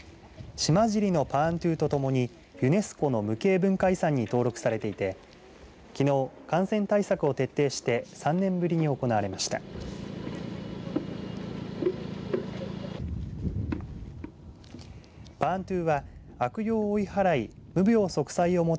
島尻のパーントゥとともにユネスコの無形文化遺産に登録されていてきのう、感染対策を徹底して３年ぶりに行われました。